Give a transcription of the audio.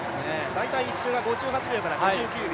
大体１周が５８秒から５９秒。